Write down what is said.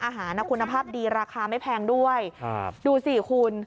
อาหารคุณภาพดีราคาไม่แพงด้วยครับดูสิคุณ